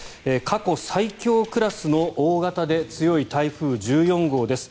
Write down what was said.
過去最強クラスの大型で強い台風１４号です。